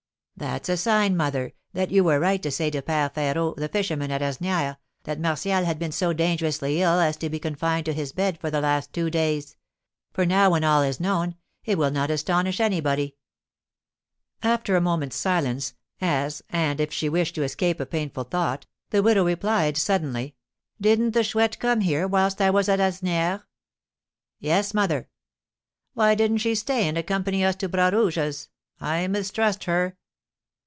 "That's a sign, mother, that you were right to say to Père Férot, the fisherman at Asnières, that Martial had been so dangerously ill as to be confined to his bed for the last two days; for now, when all is known, it will not astonish anybody." After a moment's silence, as and if she wished to escape a painful thought, the widow replied, suddenly: "Didn't the Chouette come here whilst I was at Asnières?" "Yes, mother." "Why didn't she stay and accompany us to Bras Rouge's? I mistrust her."